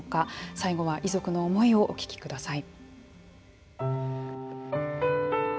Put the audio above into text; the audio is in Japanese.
最後は遺族の思いをお聞きください。